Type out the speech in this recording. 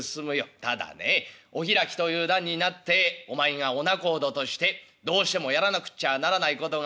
ただねお開きという段になってお前がお仲人としてどうしてもやらなくちゃならないことがある」。